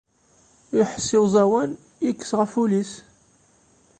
Iḥess i uẓawan, yekkes ɣef ul-is.